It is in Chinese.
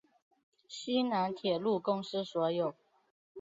西南铁路公司所有。